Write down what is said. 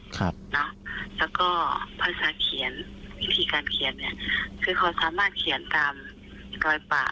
แล้วก็ภาษาเขียนวิธีการเขียนเนี่ยคือเขาสามารถเขียนตามรอยปาก